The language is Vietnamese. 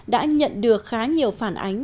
đã nhận được khá nhiều phản ánh